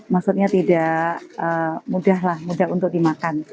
maksudnya tidak mudah lah mudah untuk dimakan